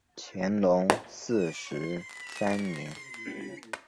乾隆四十三年。